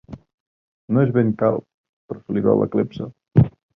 No és ben calb, però se li veu la clepsa.